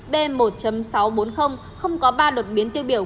b một sáu trăm bốn mươi không có ba đột biến tiêu biểu